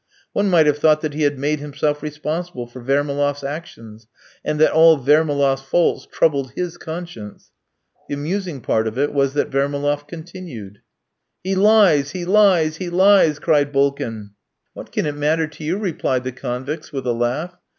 One might have thought that he had made himself responsible for Vermaloff's actions, and that all Vermaloff's faults troubled his conscience. The amusing part of it was that Vermaloff continued. "He lies! He lies! He lies!" cried Bulkin. "What can it matter to you?" replied the convicts, with a laugh.